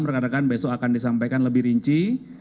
mereka katakan besok akan disampaikan lebih rinci